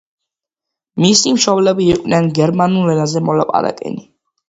მისი მშობლები იყვნენ გერმანულ ენაზე მოლაპარაკენი.